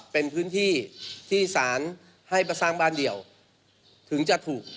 เป็นพื้นที่ที่สารให้มาสร้างบ้านเดียวถึงจะถูก